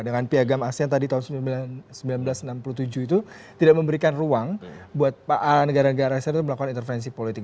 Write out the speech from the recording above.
dengan piagam asean tadi tahun seribu sembilan ratus enam puluh tujuh itu tidak memberikan ruang buat negara negara asean untuk melakukan intervensi politik